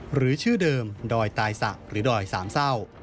หรือชื่อเดิมดอยตายสะหรือดอยสามเศร้า